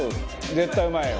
絶対うまいよ。